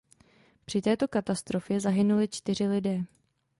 Při této katastrofě zahynuli čtyři lidé.